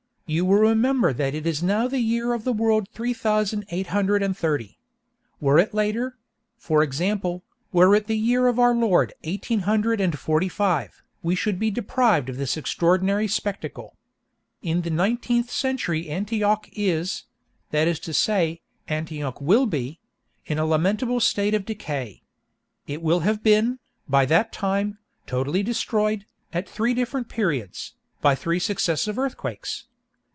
You will remember that it is now the year of the world three thousand eight hundred and thirty. Were it later—for example, were it the year of our Lord eighteen hundred and forty five, we should be deprived of this extraordinary spectacle. In the nineteenth century Antioch is—that is to say, Antioch will be—in a lamentable state of decay. It will have been, by that time, totally destroyed, at three different periods, by three successive earthquakes.